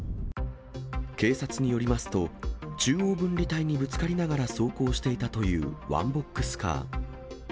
警察によりますと、中央分離帯にぶつかりながら走行していたというワンボックスカー。